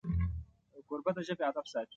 کوربه د ژبې ادب ساتي.